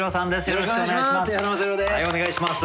よろしくお願いします。